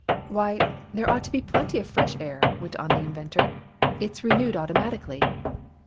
"Why, there ought to be plenty of fresh air," went on the inventor. "It is renewed automatically."